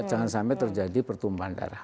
jangan sampai terjadi pertumbuhan darah